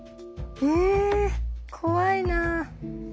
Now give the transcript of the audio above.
え怖いな。